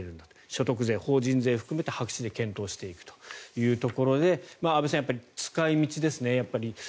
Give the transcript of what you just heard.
所得税、法人税を含めて白紙で検討していくということで安部さん、使い道ですね。